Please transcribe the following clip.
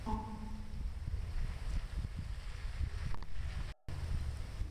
Mwanamke ataamua mwenyewe kama atajiunga na mgeni huyo